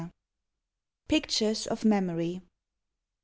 PICTURES OF MEMORY.